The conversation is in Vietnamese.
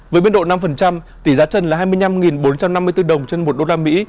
với biên độ năm tỷ giá trần là hai mươi năm bốn trăm năm mươi bốn đồng trên một đô la mỹ